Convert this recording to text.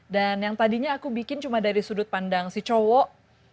dan yang tadinya aku bikin cuma dari sudut pandang si cowok